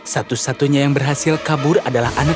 satu satunya yang berhasil kabur adalah anak